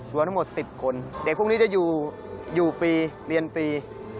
รวมทั้งหมด๑๐คนเด็กพวกนี้จะอยู่ฟรีเรียนฟรี